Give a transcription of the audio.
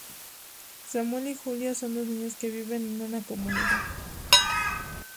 Samuel y Julia son dos niños que viven en una comunidad.